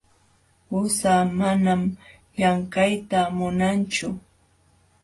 Qusaa manam llamkayta munanchu.